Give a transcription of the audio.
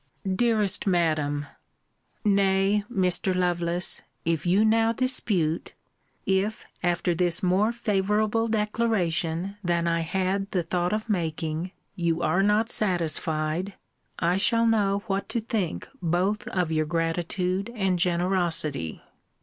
Dearest Madam Nay, Mr. Lovelace, if you now dispute if, after this more favourable declaration, than I had the thought of making, you are not satisfied, I shall know what to think both of your gratitude and generosity.